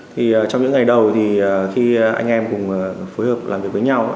thì trong những ngày đầu thì khi anh em cùng phối hợp làm việc với nhau